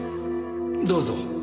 どうぞ。